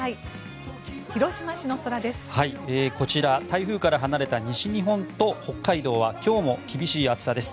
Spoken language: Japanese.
こちら、台風から離れた西日本と北海道は今日も厳しい暑さです。